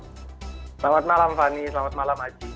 selamat malam fani selamat malam aji